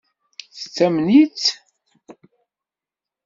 Tettamen-itt?